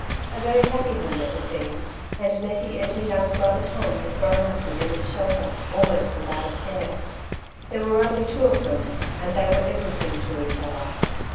A very happy home it had been, and Nettie and her younger brother Tom had grown up within its shelter almost without a care. There were only two of them, and they were everything to each other.